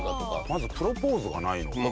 まずプロポーズがないのか。